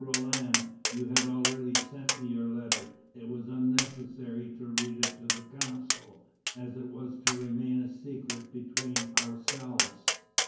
Roland, you had already sent me your letter; it was unnecessary to read it to the Council, as it was to remain a secret between ourselves.'"